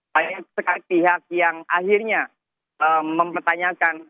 hanya sepihak pihak yang akhirnya mempertanyakan